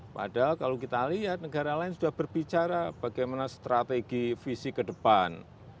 padahal kalau kita lihat negara lain sudah berbicara bagaimana strategi visi ke depan